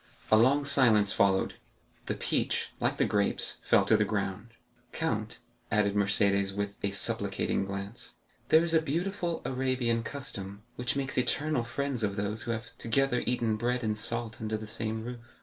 A long silence followed; the peach, like the grapes, fell to the ground. "Count," added Mercédès with a supplicating glance, "there is a beautiful Arabian custom, which makes eternal friends of those who have together eaten bread and salt under the same roof."